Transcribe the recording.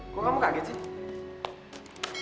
kok kamu kaget sih